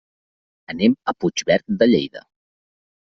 Anem a Puigverd de Lleida.